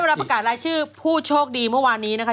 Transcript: เราประกาศรายชื่อผู้โชคดีเมื่อวานนี้นะคะ